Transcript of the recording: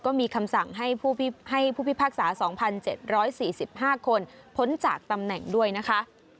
ก็มีคำสั่งให้ผู้พิพากษา๒๗๔๕คนพ้นจากตำแหน่งด้วยนะคะ